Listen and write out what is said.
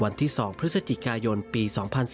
วันที่สองพฤษฐกายนปี๒๔๙๘